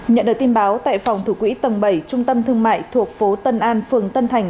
nhận được tin báo tại phòng thủ quỹ tầng bảy trung tâm thương mại thuộc phố tân an phường tân thành